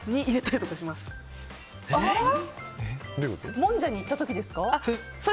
もんじゃに行った時ですか？